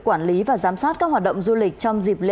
quản lý và giám sát các hoạt động du lịch